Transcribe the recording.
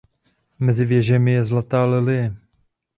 Mezi věžemi je zlatá lilie.